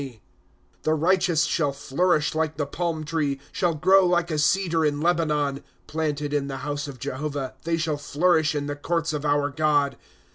Google PSALMa " The righteous shall flourish like the palm tree, Shall grow like a cedar in Lebanon. '■'' Planted in the house of Jehovah, They shall flourish in the courts of our God.